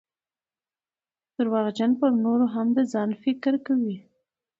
درواغجن پرنورو هم دځان فکر کوي